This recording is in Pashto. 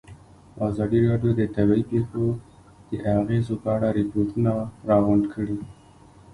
ازادي راډیو د طبیعي پېښې د اغېزو په اړه ریپوټونه راغونډ کړي.